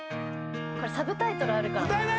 これサブタイトルあるから。